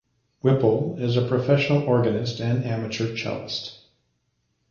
Whipple is a professional organist and amateur cellist.